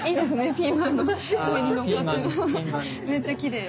ピーマンの上にのっかってるのめっちゃきれい。